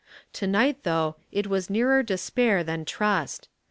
To night though ft was nearer despair than trust.